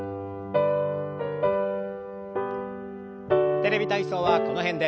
「テレビ体操」はこの辺で。